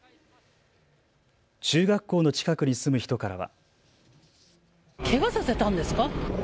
中学校の近くに住む人からは。